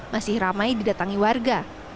masih ramai didatangi warga